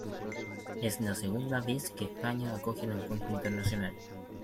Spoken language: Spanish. Es la segunda vez que España acoge el encuentro internacional.